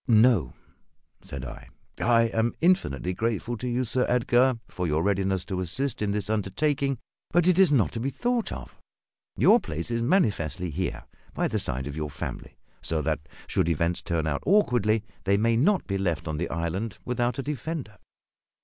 "No," said I; "I am infinitely grateful to you, Sir Edgar, for your readiness to assist in this undertaking; but it is not to be thought of. Your place is manifestly here, by the side of your family, so that, should events turn out awkwardly, they may not be left on the island without a defender.